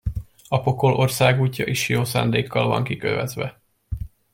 A pokol országútja is jó szándékkal van kikövezve.